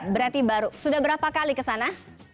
berarti baru sudah berapa kali ke sana